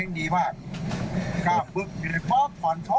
โอเคดีมาก